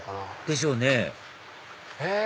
でしょうねえ